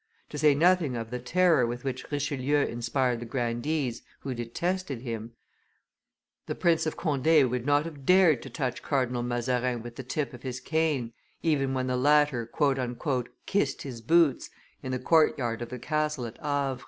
To say nothing of the terror with which Richelieu inspired the grandees, who detested him, the Prince of Coude would not have dared to touch Cardinal Mazarin with the tip of his cane, even when the latter "kissed his boots" in the courtyard of the castle at Havre.